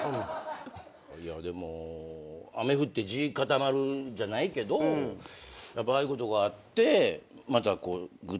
いやでも「雨降って地固まる」じゃないけどやっぱああいうことがあってまたこうぐっと近づけれた。